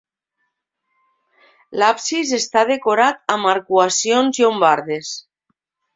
L'absis està decorat amb arcuacions llombardes.